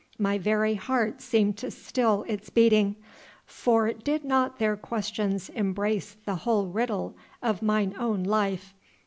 My very heart seemed to still its beating, for did not their questions embrace the whole riddle of mine own life.